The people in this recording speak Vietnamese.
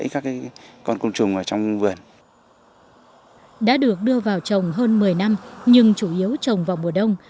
cây hoa ly được đưa vào trồng hơn một mươi năm nhưng chủ yếu trồng vào mùa đông